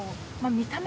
見た目？